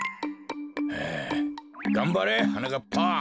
がんばれはなかっぱ。